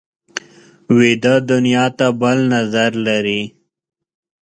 ویده دنیا ته بل نظر لري